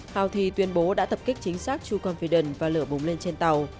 houthi tuyên bố đã tập kích chính xác trucompiden và lửa bùng lên trên tàu